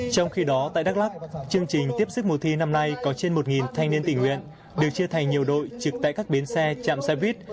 trong khi đó tại đắk lắk chương trình tiếp sức mùa thi năm nay có trên một thanh niên tình nguyện được chia thành nhiều đội trực tại các bến xe trạm xe buýt